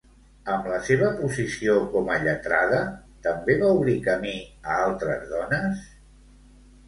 Amb la seva posició com a lletrada, també va obrir camí a altres dones?